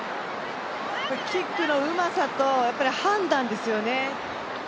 キックのうまさと判断ですよね。